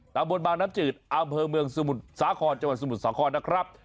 บนบางน้ำจืดอำเภอเมืองสมุทรสาครจังหวัดสมุทรสาครนะครับ